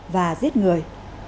và giết người